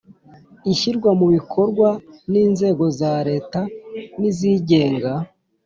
ishyirwa mu bikorwa n’inzego za leta n’izigenga;